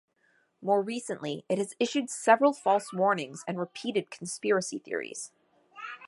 More recently it has issued several false warnings and repeated conspiracy theories.